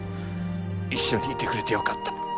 一緒にいてくれてよかった。